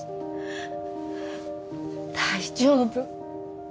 大丈夫。